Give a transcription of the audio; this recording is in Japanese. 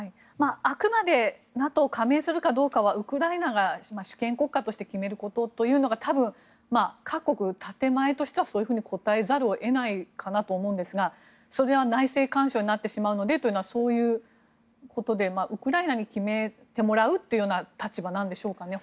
あくまでＮＡＴＯに加盟するかどうかはウクライナが主権国家として決めるということが各国の建前としてはそういうふうに答えざるを得ないかなと思うんですがそれは内政干渉になってしまうのでというのはそういうことでウクライナに決めてもらうという立場なんでしょうか。